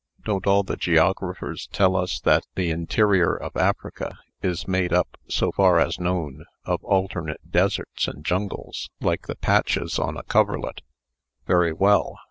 Don't all the geographers tell us that the interior of Africa is made up, so far as known, of alternate deserts and jungles, like the patches on a coverlet? Very well.